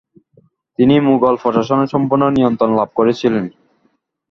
তিনি মুঘল প্রশাসনের সম্পূর্ণ নিয়ন্ত্রণ লাভ করেছিলেন।